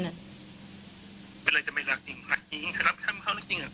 ไม่เลยจะไม่รักจริงรักจริงถ้าเขาไม่เข้าในจริงอ่ะ